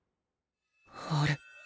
あれ？